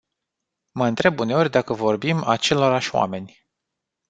Mă întreb uneori dacă vorbim acelorași oameni.